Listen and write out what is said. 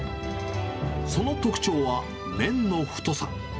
その特徴は、麺の太さ。